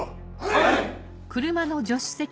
はい！